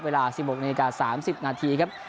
เวลา๑๖นาที๓๐นาทีครับ